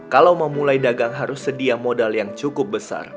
kalau memulai dagang harus sedia modal yang cukup besar